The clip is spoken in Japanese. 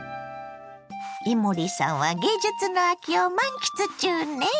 伊守さんは芸術の秋を満喫中ね。